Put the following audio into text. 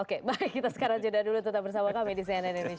oke baik kita sekarang sudah dulu tetap bersama kami di cnn indonesia prime news